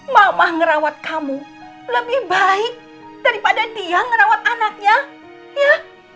mama ngerawat kamu lebih baik daripada dia ngerawat anaknya ya